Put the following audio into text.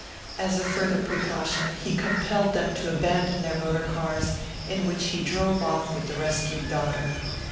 As a further precaution he compelled them to abandon their motor cars, in which he drove off with the rescued daughter.